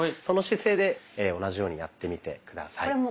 その姿勢で同じようにやってみて下さい。